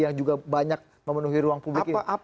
yang juga banyak memenuhi ruang publik ini